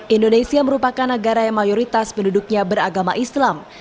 indonesia merupakan negara yang mayoritas penduduknya beragama islam